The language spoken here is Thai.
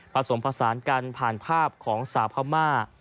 ผสมผสานกันผ่านภาพของสาวพม่า